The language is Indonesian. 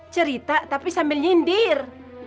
cerita tapi sambil nyindir